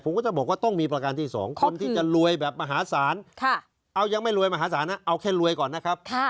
ผมก็จะบอกว่าต้องมีประการที่สองคนที่จะรวยแบบมหาศาลเอายังไม่รวยมหาศาลนะเอาแค่รวยก่อนนะครับ